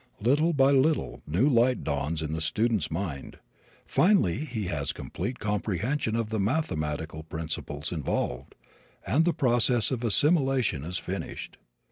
Little by little new light dawns in the student's mind. Finally he has complete comprehension of the mathematical principles involved, and the process of assimilation is finished.